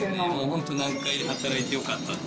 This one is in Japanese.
本当、南海で働いてよかったって。